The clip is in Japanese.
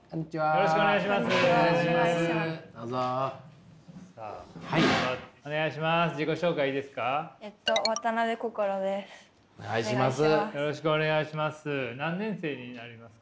よろしくお願いします。